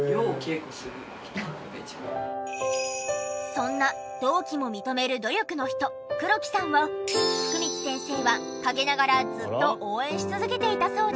そんな同期も認める努力の人黒木さんを福光先生は陰ながらずっと応援し続けていたそうで。